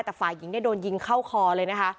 แต่ฝ่ายิงได้โดยยิงเข้าคอเลยนะคะ